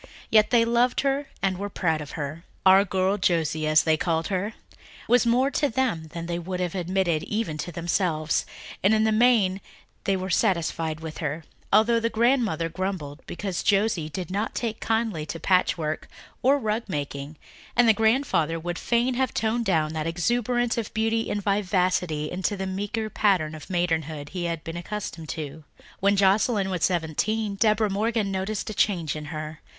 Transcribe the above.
Yet they loved her and were proud of her. "Our girl Josie," as they called her, was more to them than they would have admitted even to themselves, and in the main they were satisfied with her, although the grandmother grumbled because Josie did not take kindly to patchwork and rug making and the grandfather would fain have toned down that exuberance of beauty and vivacity into the meeker pattern of maidenhood he had been accustomed to. When Joscelyn was seventeen Deborah Morgan noticed a change in her.